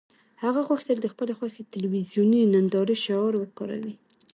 هغه غوښتل د خپلې خوښې تلویزیوني نندارې شعار وکاروي